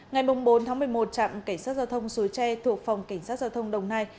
ngày bốn một mươi một trạm cảnh sát giao thông suối tre thuộc phòng cảnh sát giao thông đồng nai